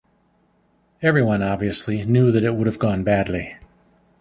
Everyone, obviously, knew that it would’ve gone badly.